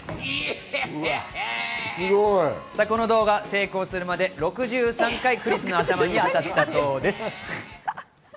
この動画、成功するまで６３回クリスの頭に当たったそうです。